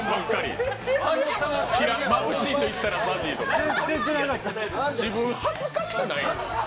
まぶしいといったらＺＡＺＹとか自分、恥ずかしくない？